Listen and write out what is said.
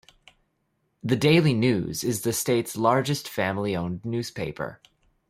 The "Daily News" is the state's largest family-owned newspaper.